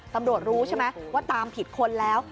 รู้ใช่ไหมว่าตามผิดคนแล้ว